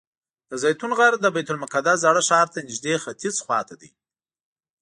د زیتون غر د بیت المقدس زاړه ښار ته نږدې ختیځ خوا ته دی.